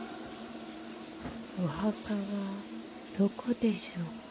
・お墓はどこでしょうか。